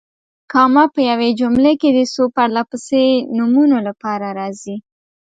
کامه په یوې جملې کې د څو پرله پسې نومونو لپاره راځي.